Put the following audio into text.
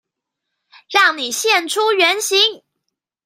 讓你現出原形！